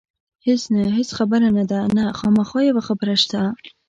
هېڅ نه، هېڅ خبره نه ده، نه، خامخا یوه خبره شته.